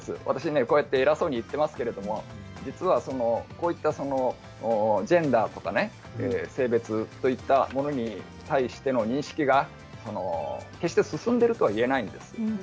私こうやって偉そうに言っていますけど、実はこういったジェンダーとか性別といったものに対しての認識が決して進んでいると言えないんです。